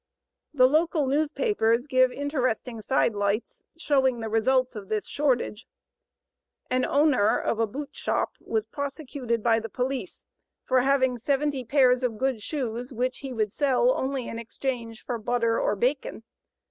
The local newspapers give interesting side lights showing the results of this shortage. An owner of a boot shop was prosecuted by the police for having 70 pairs of good shoes which he would sell only in exchange for butter or bacon.